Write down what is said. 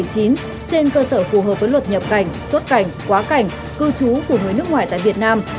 trên cơ sở phù hợp với luật nhập cảnh xuất cảnh quá cảnh cư trú của người nước ngoài tại việt nam